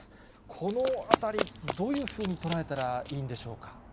このあたり、どういうふうに捉えたらいいんでしょうか。